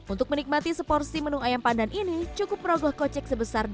untuk menikmati seporsi menu ayam pandan ini cukup merogoh kocek sebesar rp delapan belas